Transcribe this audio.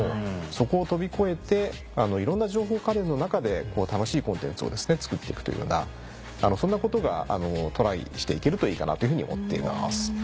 そこを飛び越えていろんな情報家電の中で楽しいコンテンツをですね作っていくというようなそんなことがトライしていけるといいかなっていうふうに思っています。